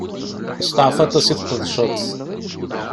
Steɛfu aṭas i tqedceḍ.